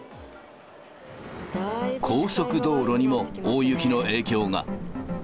高速道路にも大雪の影響が。